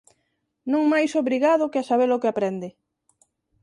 Non máis obrigado que a sabe-lo que aprende.